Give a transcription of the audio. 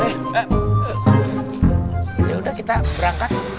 ya udah kita berangkat